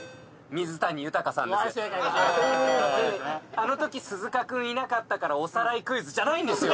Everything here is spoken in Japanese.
あの時鈴鹿くんいなかったからおさらいクイズじゃないんですよ！